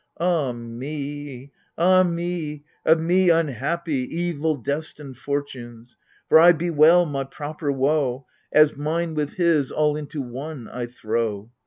Ah me, ah me — Of me unhappy, evil destined fortunes ! For I bewail my proper woe As, mine with his, all into one I throw.